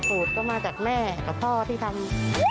สูตรก็มาจากแม่กับพ่อที่ทำ